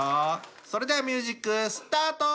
それじゃミュージックスタート！